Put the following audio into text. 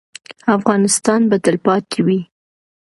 افغانستان به تلپاتې وي